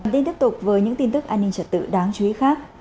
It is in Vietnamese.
nên tiếp tục với những tin tức an ninh trật tự đáng chú ý khác